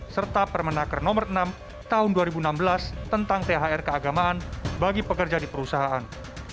serta permenaker nomor enam tahun dua ribu enam belas tentang thr keagamaan bagi pekerja di perusahaan